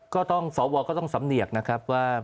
สวก็ต้องสำเนียกนะครับว่า